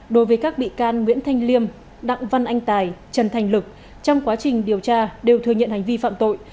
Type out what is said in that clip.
đối với các bị can nguyễn thanh liêm đặng văn anh tài trần thành lực trong quá trình điều tra đều thừa nhận hành vi phạm tội